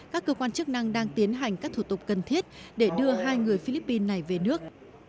các cơ quan chức năng đang tiến hành các thủ tục cần thiết để đưa hai người philippines này về nước